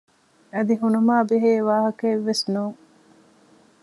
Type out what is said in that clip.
އަދި ހުނުމާބެހޭ ވާހަކައެއްވެސް ނޫން